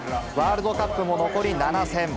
ワールドカップも残り７戦。